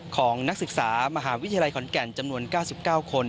ของนักศึกษามหาวิทยาลัยขอนแก่นจำนวน๙๙คน